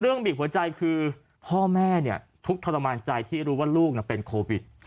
เรื่องบีกหัวใจคือพ่อแม่ทุกทรมานใจที่รู้ว่าลูกเป็นโควิด